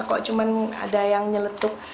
kok cuma ada yang nyeletup